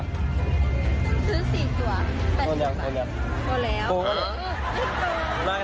ซื้อสี่ตัว